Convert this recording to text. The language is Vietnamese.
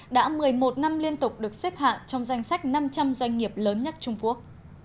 đã một mươi một năm liên tục được xếp hạng trong danh sách năm trăm linh doanh nghiệp lớn nhất trung quốc